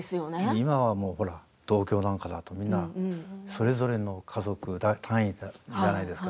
今はもう、ほら東京なんかだとみんなそれぞれの家族単位じゃないですか。